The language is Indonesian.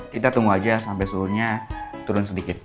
kita tunggu aja sampai suhunya turun sedikit